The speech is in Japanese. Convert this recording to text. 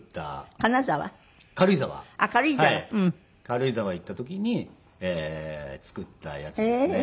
軽井沢行った時に作ったやつですね。